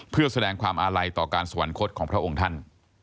เพื่อแสดงความอาลัยต่อการสวรรคตของพระองค์ท่าน